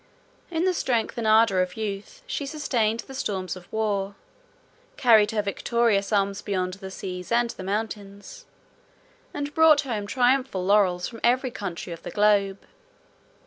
In the strength and ardor of youth, she sustained the storms of war; carried her victorious arms beyond the seas and the mountains; and brought home triumphal laurels from every country of the globe.